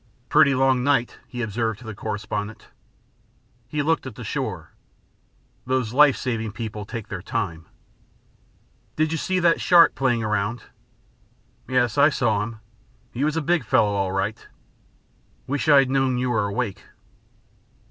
"Pretty long night," he observed to the correspondent. He looked at the shore. "Those life saving people take their time." "Did you see that shark playing around?" "Yes, I saw him. He was a big fellow, all right." "Wish I had known you were awake."